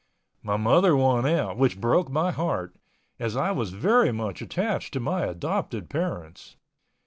My mother won out, which broke my heart, as I was very much attached to my adopted parents.